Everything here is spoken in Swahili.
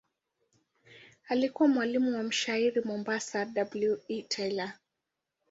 Alikuwa mwalimu wa mshairi wa Mombasa W. E. Taylor.